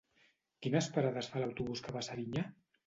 Quines parades fa l'autobús que va a Serinyà?